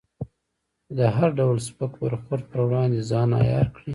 چې د هر ډول سپک برخورد پر وړاندې ځان عیار کړې.